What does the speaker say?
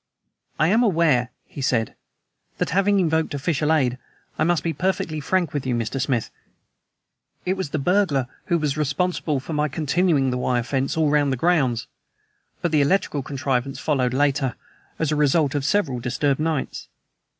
"I am aware," he said, "that having invoked official aid, I must be perfectly frank with you, Mr. Smith. It was the burglar who was responsible for my continuing the wire fence all round the grounds, but the electrical contrivance followed, later, as a result of several disturbed nights.